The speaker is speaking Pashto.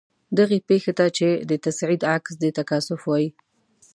دغې پیښې ته چې د تصعید عکس دی تکاثف وايي.